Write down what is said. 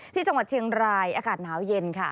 ที่จังหวัดเชียงรายอากาศหนาวเย็นค่ะ